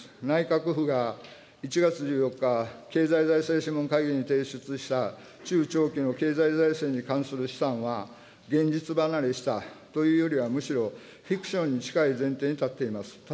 内閣府が１月１４日、経済財政諮問会議に提出した、中長期の経済財政に関する試算は、現実離れしたというよりはむしろ、フィクションに近い前提に立っています。